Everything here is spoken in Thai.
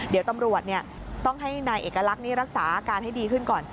เดี๋ยวตำรวจต้องให้นายเอกลักษณ์นี้รักษาอาการให้ดีขึ้นก่อน